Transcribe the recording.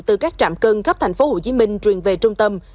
từ các trạm cân khắp tp hcm truyền về trung tâm